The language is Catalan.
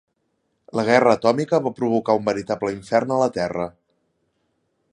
La guerra atòmica va a provocar un veritable infern a la terra.